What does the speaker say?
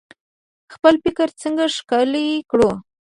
خپل فکر څنګه ښکلی کړو؟